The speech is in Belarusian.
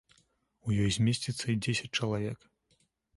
У ёй змесціцца і дзесяць чалавек.